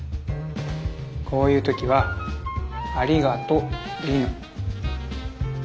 こういう時は「ありがと」でいいの。